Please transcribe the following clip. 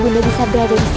untuk berada disini